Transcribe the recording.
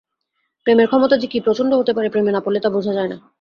প্রেমের ক্ষমতা যে কী প্রচণ্ড হতে পারে, প্রেমে নাপড়লে তা বোঝা যায না।